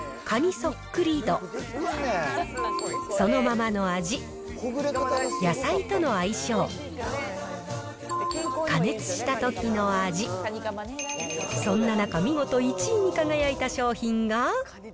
そっくり度、そのままの味、野菜との相性、加熱したときの味、そんな中、見事１位に輝いた商品が。